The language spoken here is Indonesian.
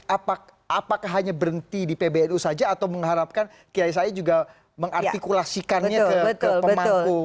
apakah hanya berhenti di pbnu saja atau mengharapkan kiai saya juga mengartikulasikannya ke pemangku